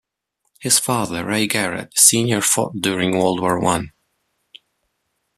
His father, Ray Garrett, Senior fought during World War One.